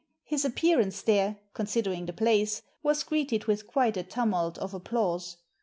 His appearance there, considering the place, was greeted with quite a tumult of applause.